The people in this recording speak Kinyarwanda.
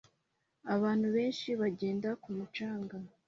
Abantu benshi bagenda ku mucanga